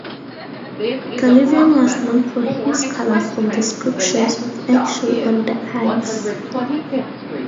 Gallivan was known for his colourful descriptions of action on the ice.